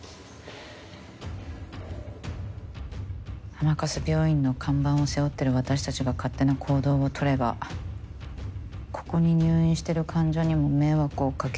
甘春病院の看板を背負ってる私たちが勝手な行動を取ればここに入院してる患者にも迷惑をかけかねない。